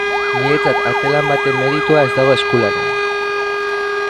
Niretzat artelan baten meritua ez dago eskulanean.